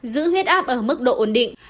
giữ huyết áp ở mức độ ổn định